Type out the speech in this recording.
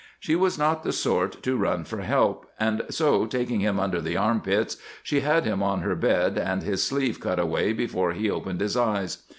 She was not the sort to run for help, and so, taking him under the armpits, she had him on her bed and his sleeve cut away before he opened his eyes.